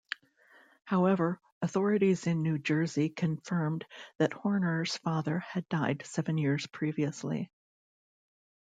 However, authorities in New Jersey confirmed that Horner's father had died seven years previously.